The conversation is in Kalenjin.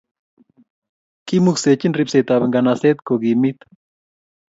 kimuksenchin ripset ab nganaset kokimiit